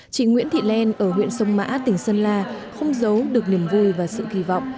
chị nguyễn thị len ở huyện sông mã tỉnh sơn la không giấu được niềm vui và sự kỳ vọng